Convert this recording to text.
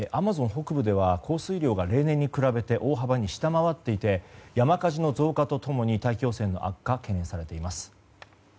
北部では降水量が例年に比べて大幅に下回っていて山火事の増加と共に大気汚染の悪化が懸念されています。